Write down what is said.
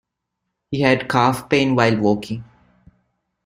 He had calf pain while walking.